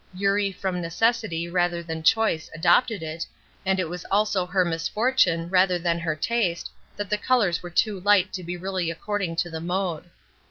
Eurie from necessity rather than choice adopted it, and it was also her misfortune rather than her taste that the colors were too light to be really according to the mode.